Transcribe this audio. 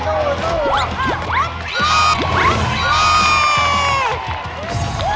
แม่ดู